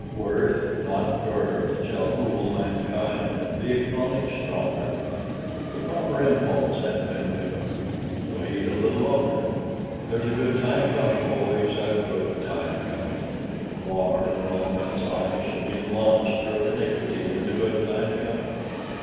Worth, not Birth, shall rule mankind, And be acknowledged stronger; The proper impulse has been given; Wait a little longer. There's a good time coming, boys A good time coming: War in all men's eyes shall be A monster of iniquity In the good time coming.